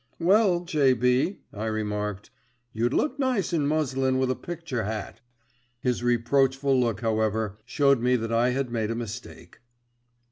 "Well, J.B.," I remarked, "you'd look nice in muslin with a picture hat." His reproachful look, however, showed me that I had made a mistake.